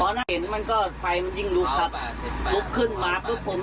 ให้เห็นมันก็ไฟมันยิ่งลุกครับลุกขึ้นมาปุ๊บผม